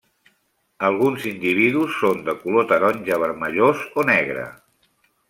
Alguns individus són de color taronja vermellós o negre.